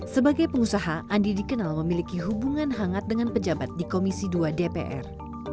sebagai pengusaha andi dikenal memiliki hubungan hangat dengan pejabat di komisi dua dpr